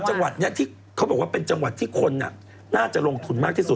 จังหวัดนี้ที่เขาบอกว่าเป็นจังหวัดที่คนน่าจะลงทุนมากที่สุด